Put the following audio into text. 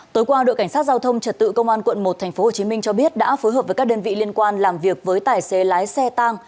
tối qua đội cảnh sát giao thông trật tự công an quận một tp hcm cho biết đã phối hợp với các đơn vị liên quan làm việc với tài xế lái xe tang